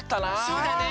そうだね。